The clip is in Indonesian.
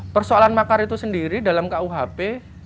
persoalan makar itu sendiri dalam kuhp